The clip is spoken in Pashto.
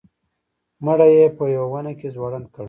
مړی یې په یوه ونه کې ځوړند کړ.